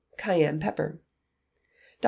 Cayenne Pepper. Dr.